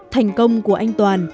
thành công của anh toàn